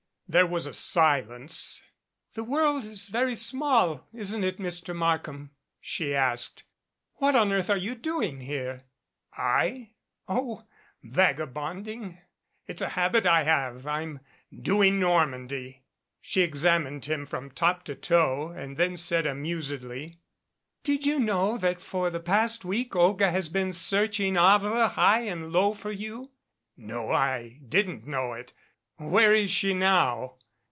There was a silence. "The world is very small, isn't it, Mr. Markham?" she asked. "What on earth are you doing here?" "I? Oh, vagabonding. It's a habit I have, I'm doing Normandy." She examined him from top to toe and then said amusedly : "Did you know that for the past week Olga has been searching Havre high and low for you ?" "No. I didn't know it. Where is she now?"